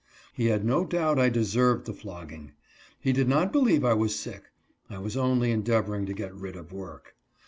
He had no doubt I deserved the flogging. He did not believe I was sick ; I was only endeavoring to get rid of work.